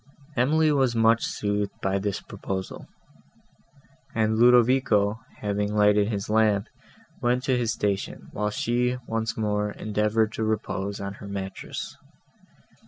Emily was much soothed by this proposal; and Ludovico, having lighted his lamp, went to his station, while she, once more, endeavoured to repose on her mattress.